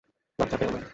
লজ্জা পেয়ো না।